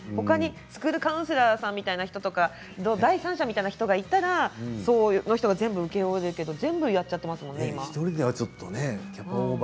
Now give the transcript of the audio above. スクールカウンセラーさんみたいな人とか第三者みたいな人がいたらその人が全部請け負ってやりますけど全部請け負っていますもんね。